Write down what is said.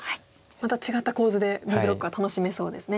また違った構図でＢブロックは楽しめそうですね。